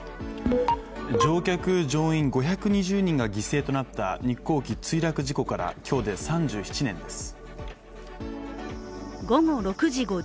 乗客・乗員５２０人が犠牲となった日航機墜落事故から今日で３７年です。